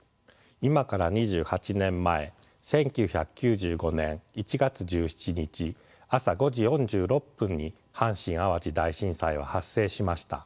今から２８年前１９９５年１月１７日朝５時４６分に阪神・淡路大震災は発生しました。